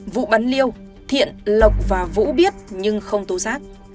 vụ bắn liêu thiện lộc và vũ biết nhưng không tố giác